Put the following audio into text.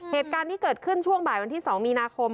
เหตุการณ์นี้เกิดขึ้นช่วงบ่ายวันที่๒มีนาคม